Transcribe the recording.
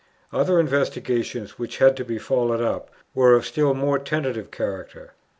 Other investigations which had to be followed up were of a still more tentative character.